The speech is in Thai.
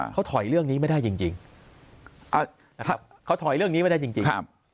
เขาถอยเรื่องนี้ไม่ได้จริงนะครับเขาถอยเรื่องนี้ไม่ได้จริง